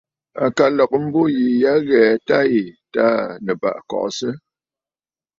À ka lɔ̀gə mbû yì ɨ ghɛ tâ yì Taà Nɨ̀bàʼà kɔʼɔsə.